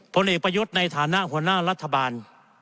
ผลเอกประยุทธ์ในฐานะหัวหน้ารัฐบาล